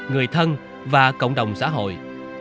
người thân và cộng đồng xã hội